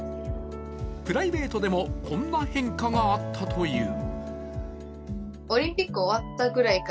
プライベートでも、こんな変化があったという。